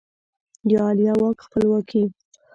د عالیه واک خپلواکي